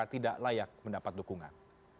tidak layak mendapat dukungan